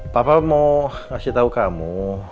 papa mau kasih tahu kamu